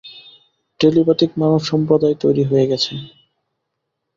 Telepathic মানব সম্প্রদায় তৈরি হয়ে গেছে।